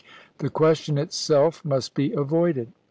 The question itself must be avoided.